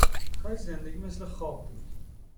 کاش زندگی مثل خواب بود